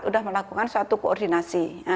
sudah melakukan suatu koordinasi